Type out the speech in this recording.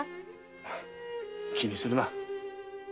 気にするな。